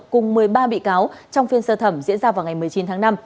cùng một mươi ba bị cáo trong phiên sơ thẩm diễn ra vào ngày một mươi chín tháng năm